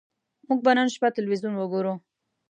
موږ به نن شپه ټلویزیون وګورو